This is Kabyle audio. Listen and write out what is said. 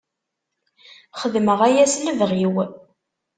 Xedmeɣ aya s lebɣi-w.